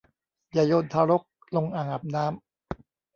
อย่าโยนทารกลงอ่างอาบน้ำ